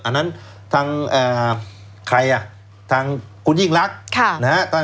อันนั้นทางคุณยิ่งลักษณ์